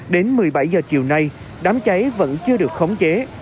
đến một mươi bảy h chiều nay đám cháy vẫn chưa được khống chế